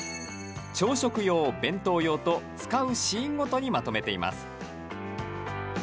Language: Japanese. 朝食用、弁当用と使うシーンごとにまとめています。